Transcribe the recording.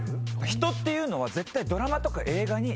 人っていうのは絶対。